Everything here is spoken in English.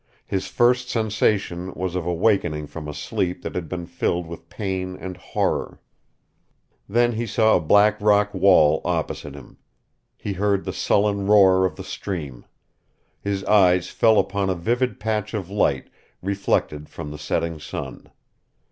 His first sensation was of awakening from a sleep that had been filled with pain and horror. Then he saw a black rock wall opposite him; he heard the sullen roar of the stream; his eyes fell upon a vivid patch of light reflected from the setting sun.